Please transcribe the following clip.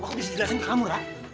aku bisa jelasin ke kamu ya